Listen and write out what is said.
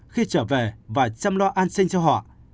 khi trở về và chăm lo an sinh cho họ